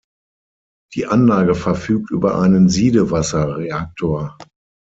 Die Anlage verfügt über einen Siedewasserreaktor.